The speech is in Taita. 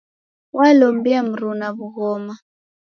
Walombie mruna w'ughoma.